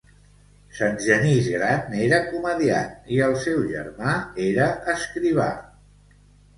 Sant Genís gran era comediant i el seu germà era escrivà.